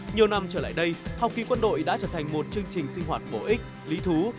nhiều năm trở lại đây học kỳ quân đội đã trở thành một chương trình sinh hoạt bổ ích lý thú